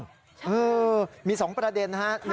เออมี๒ประเด็นนะฮะ